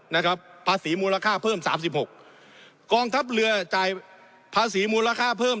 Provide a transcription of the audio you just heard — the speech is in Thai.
นะครับภาษีมูลค่าเพิ่มสามสิบหกกองทัพเรือจ่ายภาษีมูลค่าเพิ่ม